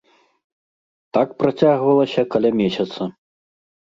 Так працягвалася каля месяца.